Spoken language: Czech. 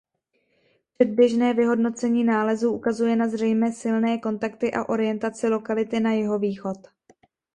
Předběžné vyhodnocení nálezů ukazuje na zřejmé silné kontakty a orientaci lokality na jihovýchod.